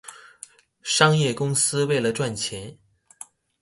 商業公司為了賺錢